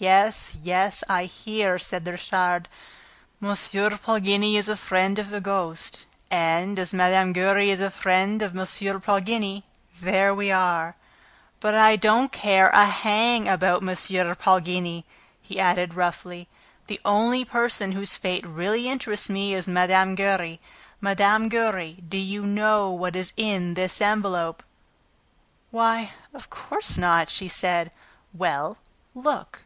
"Yes, yes, I hear!" said Richard. "M. Poligny is a friend of the ghost; and, as Mme. Giry is a friend of M. Poligny, there we are! ... But I don't care a hang about M. Poligny," he added roughly. "The only person whose fate really interests me is Mme. Giry... Mme. Giry, do you know what is in this envelope?" "Why, of course not," she said. "Well, look."